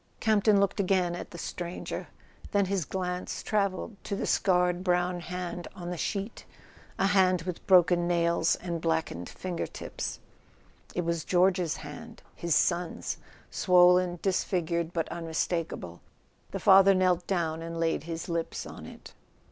Campton looked again at the stranger; then his glance travelled to the scarred brown hand on the sheet, a hand with broken nails and blackened finger tips. It was George's hand, his son's, swollen, disfigured but unmistakable. The father knelt down and laid his lips on it.